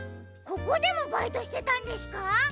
ここでもバイトしてたんですか？